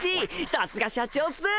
さすが社長っす！